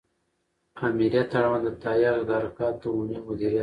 آمریت اړوند د تهیه او تدارکاتو عمومي مدیریت